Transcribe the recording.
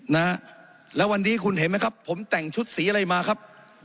นะฮะแล้ววันนี้คุณเห็นไหมครับผมแต่งชุดสีอะไรมาครับ